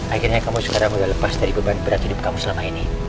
akhirnya kamu sekarang mulai lepas dari beban berat hidup kamu selama ini